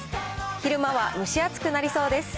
昼間は蒸し暑くなりそうです。